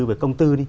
với công tư